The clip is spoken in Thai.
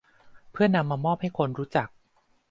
เพื่อนำมามอบให้คนรู้จัก